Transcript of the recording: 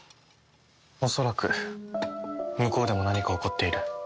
恐らく向こうでも何か起こっている。